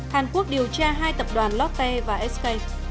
hàn quốc điều tra hai tập đoàn lotte và sk